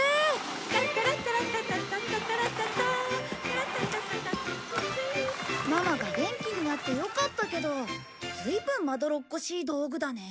「タッタラッタラッタッタッタタッタラッタッタ」ママが元気になってよかったけどずいぶんまどろっこしい道具だね。